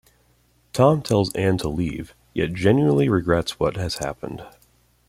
Tom tells Anne to leave, yet genuinely regrets what has happened.